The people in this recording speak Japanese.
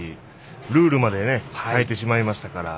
ルールまで変えてしまいましたから。